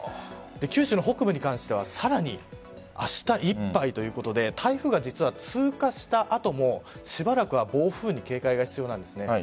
九州の北部に関してはさらに明日いっぱいということで台風が通過した後もしばらくは暴風に警戒が必要なんです。